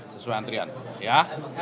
sesuai antrian ya